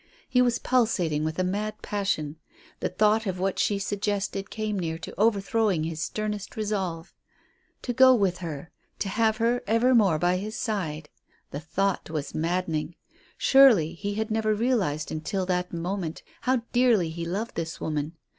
He was pulsating with a mad passion. The thought of what she suggested came near to overthrowing his sternest resolve. To go with her. To have her evermore by his side. The thought was maddening. Surely he had never realized until that moment how dearly he loved this woman.